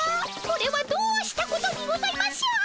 これはどうしたことにございましょう！